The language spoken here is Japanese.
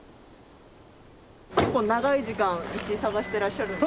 結構長い時間石探してらっしゃるんですか？